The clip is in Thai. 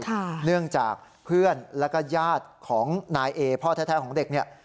เนื่องจากเพื่อนแล้วก็ญาติของนายเอพ่อแท้ของเด็กเนี่ย